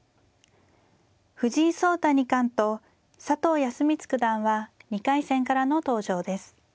藤井聡太二冠と佐藤康光九段は２回戦からの登場です。